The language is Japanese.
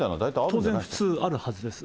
当然、普通あるはずです。